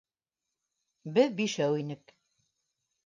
Беҙ бишәү инек.